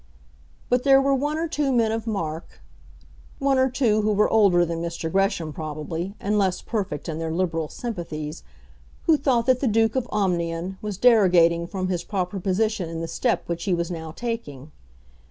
But there were one or two men of mark, one or two who were older than Mr. Gresham probably, and less perfect in their Liberal sympathies, who thought that the Duke of Omnium was derogating from his proper position in the step which he was now taking.